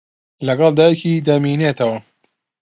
لەگەڵ دایکی دەمێنێتەوە.